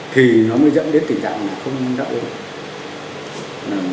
thì nó mới dẫn đến tình trạng là không đáp ứng